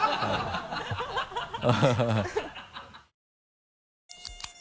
ハハハ